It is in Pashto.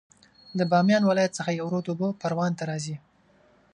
د بامیان ولایت څخه یو رود اوبه پروان ته راځي